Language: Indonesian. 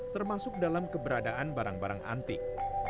termasuk dalam keberadaan barang barang antik